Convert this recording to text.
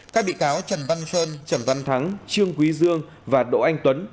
các bị cáo trần văn sơn trần văn thắng trương quý dương và đỗ anh tuấn